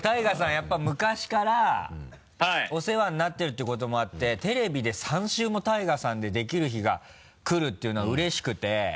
やっぱり昔からお世話になってるってこともあってテレビで３週もＴＡＩＧＡさんでできる日が来るっていうのはうれしくて。